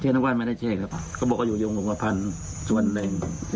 แช่น้ำว่านไม่ได้แช่ครับก็บอกว่าอยู่ยงลงกระพันธุ์ส่วนแรง